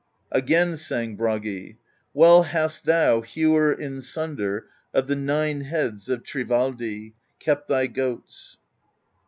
Again sang Bragi: Well hast Thou, Hewer in Sunder Of the nine heads of Thrivaldi, Kept thy goats*